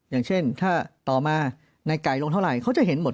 อย่างเช่นถ้าต่อมาในไก่ลงเท่าไหร่เขาจะเห็นหมด